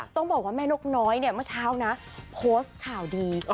ต้องบอกว่าแม่นกน้อยเนี่ยเมื่อเช้านะโพสต์ข่าวดี